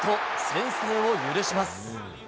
先制を許します。